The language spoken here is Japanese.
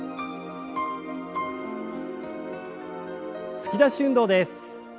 突き出し運動です。